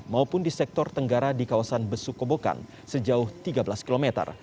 maupun di sektor tenggara di kawasan besukobokan sejauh tiga belas km